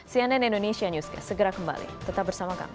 cnn indonesia newscast segera kembali tetap bersama kami